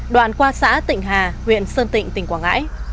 đoạn qua xã tịnh hà huyện sơn tịnh tỉnh quảng ngãi